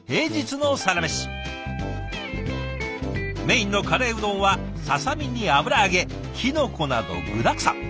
メインのカレーうどんはささみに油揚げキノコなど具だくさん。